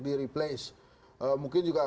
di replace mungkin juga